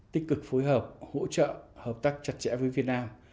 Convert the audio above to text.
tích cực phối hợp hỗ trợ hợp tác chặt chẽ với việt nam